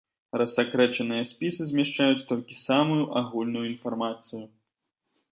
Рассакрэчаныя спісы змяшчаюць толькі самую агульную інфармацыю.